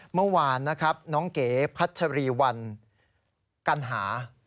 เมื่อวานนะครับน้องเก๋พัชรีวัลกัณหา